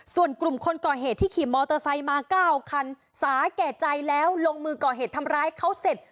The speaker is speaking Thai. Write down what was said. ส่วนกลุ่มคนก่อเหตุที่ขี่มอเตอร์ไซค์มา๙คันสาแก่ใจแล้วลงมือก่อเหตุทำร้ายเขาเสร็จ